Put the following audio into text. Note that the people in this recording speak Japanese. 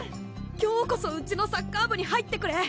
今日こそうちのサッカー部に入ってくれ！